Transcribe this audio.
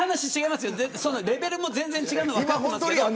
レベルも全然違うの分かってますけど。